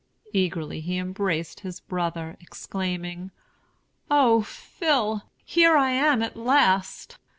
Eagerly he embraced his brother, exclaiming: "O Phil! here I am at last.